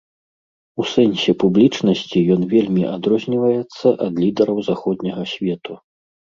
У сэнсе публічнасці ён вельмі адрозніваецца ад лідараў заходняга свету.